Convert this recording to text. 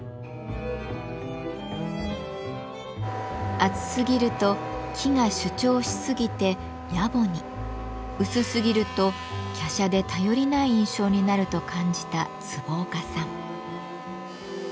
厚すぎると木が主張しすぎてやぼに薄すぎるときゃしゃで頼りない印象になると感じた坪岡さん。